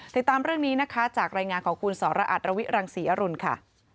ติดตามเรื่องนี้นะคะจากรายงานของคุณสรอัตรวิรังศรีอรุณค่ะ